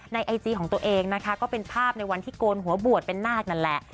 ไอจีของตัวเองนะคะก็เป็นภาพในวันที่โกนหัวบวชเป็นนาคนั่นแหละ